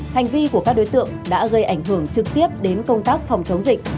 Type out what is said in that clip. hành vi của các đối tượng đã gây ảnh hưởng trực tiếp đến công tác phòng chống dịch